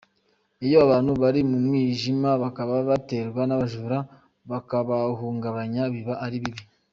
Iyo abantu bari mu mwijima bakaba baterwa n’abajura bakabahungabanya biba ari bibi.